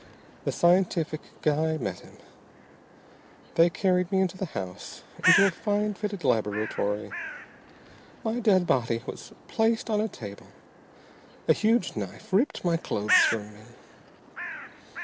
The scientific guy met him. They carried me into the house, into a fine fitted laboratory. My dead body was placed on a table, a huge knife ripped my clothes from me.